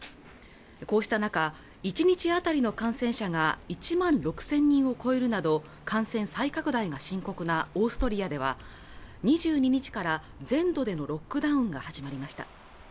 こうした中１日あたりの感染者が１万６０００人を超えるなど感染再拡大が深刻なオーストリアでは２２日から全土でのロックダウンが始まりました